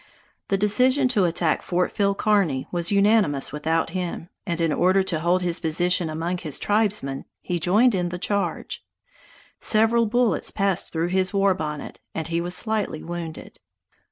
The decision to attack Fort Phil Kearny was unanimous without him, and in order to hold his position among his tribesmen he joined in the charge. Several bullets passed through his war bonnet, and he was slightly wounded.